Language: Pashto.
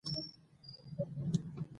ازادي راډیو د کډوال اړوند شکایتونه راپور کړي.